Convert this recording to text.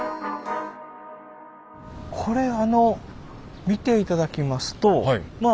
これ見て頂きますとまあ